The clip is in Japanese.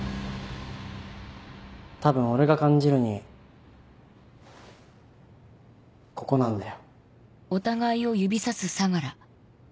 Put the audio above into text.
多分俺が感じるにここなんだよ。